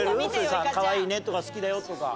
かわいいねとか好きだよとか。